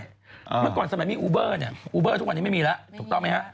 เมื่อก่อนสมัยมีอูเบอร์เนี่ยอูเบอร์ทุกวันนี้ไม่มีแล้วถูกต้องไหมฮะ